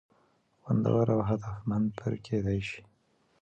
خوندور او هدفمند پر کېدى شي.